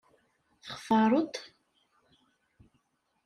Textaṛeḍ-t?